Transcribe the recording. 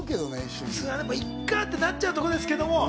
普通、いいかってなっちゃうところですけど。